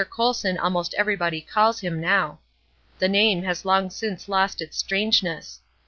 Colson" almost everybody calls him now. The name has long since lost its strangeness.